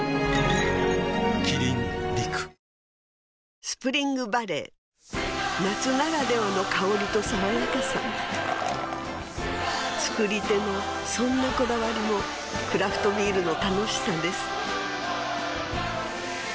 キリン「陸」スプリングバレー夏ならではの香りと爽やかさ造り手のそんなこだわりもクラフトビールの楽しさです